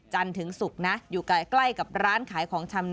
ถึงศุกร์นะอยู่ใกล้กับร้านขายของชำ